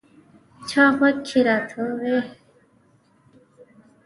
چا غوږ کې راته وویې چې جانان مه یادوه.